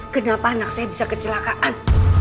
kenapa anak saya bisa kecelakaan